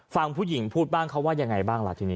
ฟังผู้หญิงพูดบ้างเขาว่ายังไงบ้างล่ะทีนี้